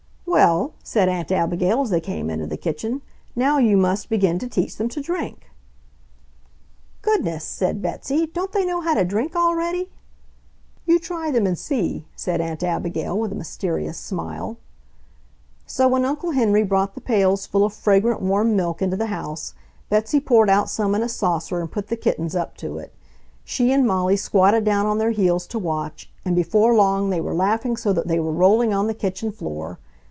"Well," said Aunt Abigail, as they came into the kitchen, "now you must begin to teach them to drink." "Goodness!" said Betsy, "don't they know how to drink already?" "You try them and see," said Aunt Abigail with a mysterious smile. So when Uncle Henry brought the pails full of fragrant, warm milk into the house, Betsy poured out some in a saucer and put the kittens up to it. She and Molly squatted down on their heels to watch, and before long they were laughing so that they were rolling on the kitchen floor.